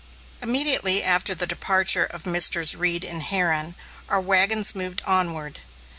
Immediately after the departure of Messrs. Reed and Herron, our wagons moved onward.